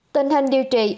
tình hình điều trị